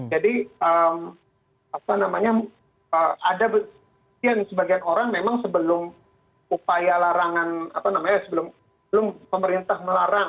jadi apa namanya ada mungkin sebagian orang memang sebelum upaya larangan apa namanya sebelum pemerintah melarang